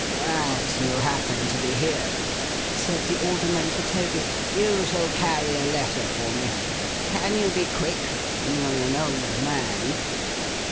'As you happen to be here,' said the Alderman to Toby, 'you shall carry a letter for me. Can you be quick? You're an old man.